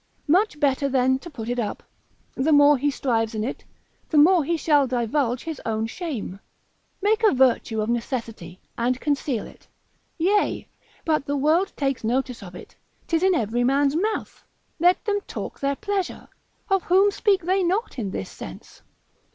Much better then to put it up: the more he strives in it, the more he shall divulge his own shame: make a virtue of necessity, and conceal it. Yea, but the world takes notice of it, 'tis in every man's mouth: let them talk their pleasure, of whom speak they not in this sense?